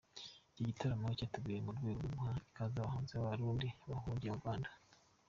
Iki gitaramo cyateguwe mu rwego rwo guha ikaze abahanzi b’Ababarundi bahungiye mu Rwanda.